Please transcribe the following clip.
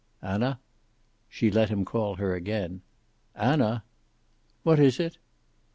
"Anna?" She let him call her again. "Anna!" "What is it?"